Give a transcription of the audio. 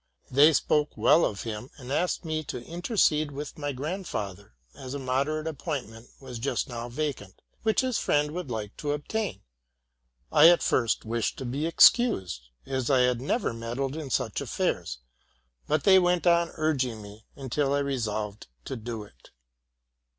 They spoke well of him, and asked me to intercede with my gr andfather, as 2 modei ate appointment was just now vacant, which this friewd would like to obtain. I at first wished to be excused, as I had never meddled in such affairs ; but they went on urging me until I resolved to do it.